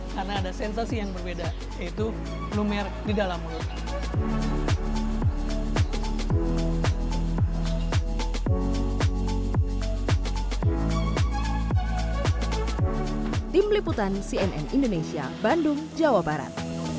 karena ada sensasi yang berbeda yaitu lumer di dalam mulut